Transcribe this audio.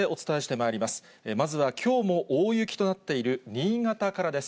まずはきょうも大雪となっている新潟からです。